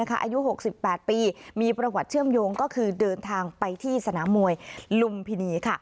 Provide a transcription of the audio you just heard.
อายุ๖๘ปีมีประวัติเชื่อมโยงก็คือเดินทางไปที่สนามมวยลุมพินี